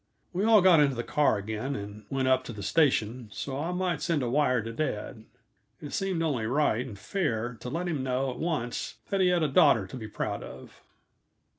We all got into the car again, and went up to the station, so I might send a wire to dad. It seemed only right and fair to let him know at once that he had a daughter to be proud of.